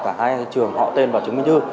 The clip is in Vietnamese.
cả hai trường họ tên và chứng minh thư